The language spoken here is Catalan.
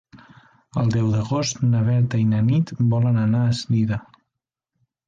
El deu d'agost na Berta i na Nit volen anar a Eslida.